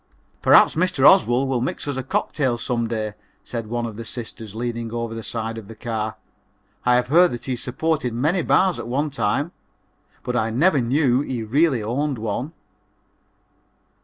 "Perhaps Mr. Oswald will mix us a cocktail some day," said one of the sisters, leaning over the side of the car. "I have heard that he supported many bars at one time, but I never knew he really owned one."